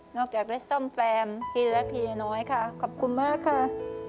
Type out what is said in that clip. นอกจากรักซ่อมแซมฟรีด้านน้อยค่ะขอบคุณมากค่ะ